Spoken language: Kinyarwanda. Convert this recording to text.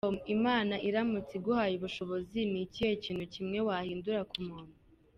com : Imana iramutse iguhaye ubushobozi ni ikihe kintu kimwe wahindura ku muntu ?.